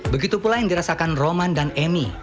begitu pula yang dirasakan roman dan emi